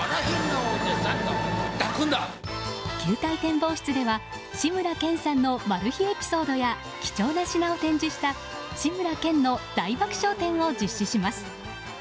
球体展望室では志村けんさんのマル秘エピソードや貴重な品を展示した志村けんの大爆笑展を実施します。